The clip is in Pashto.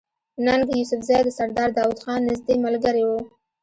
ننګ يوسفزۍ د سردار داود خان نزدې ملګری وو